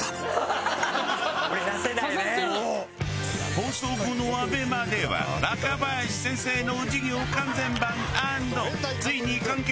放送後のＡＢＥＭＡでは若林先生の授業完全版＆ついに完結！